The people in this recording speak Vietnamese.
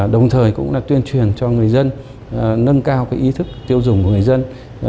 đồng thời cũng là tuyên truyền cho người dân nâng cao ý thức tiêu dùng của người dân